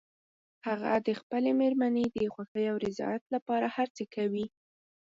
هغه د خپلې مېرمنې د خوښې او رضایت لپاره هر څه کوي